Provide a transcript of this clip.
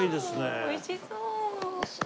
おいしそう。